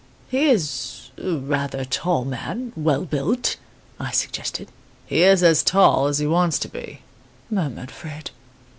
"'He is a rather tall man well built,' I suggested. "'He is as tall as he wants to be,' murmured Fred.